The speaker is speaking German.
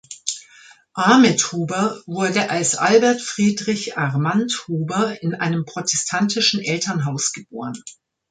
Ahmed Huber wurde als Albert Friedrich Armand Huber in einem protestantischen Elternhaus geboren.